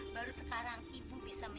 pastinya sih bisa bu